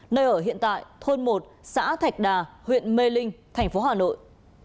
nơi ở hiện tại thôn một xã thạch đà huyện mê linh thành phố hà nội